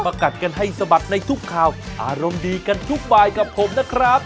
กัดกันให้สะบัดในทุกข่าวอารมณ์ดีกันทุกบายกับผมนะครับ